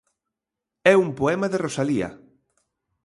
É un poema de Rosalía.